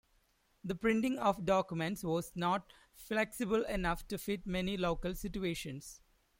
The printing of documents was not flexible enough to fit many local situations.